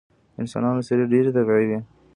د انسانانو څیرې ډیرې طبیعي وې